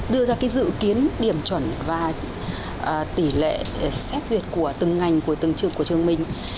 đưa ra cái dự kiến điểm chuẩn và tỷ lệ xét duyệt của từng ngành của từng trường của trường mình